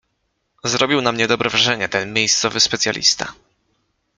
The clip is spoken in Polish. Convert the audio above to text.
"Zrobił na mnie dobre wrażenie ten miejscowy specjalista."